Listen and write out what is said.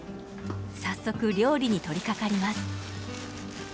早速料理に取りかかります。